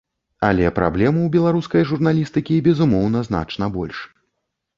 Але праблем у беларускай журналістыкі, безумоўна, значна больш.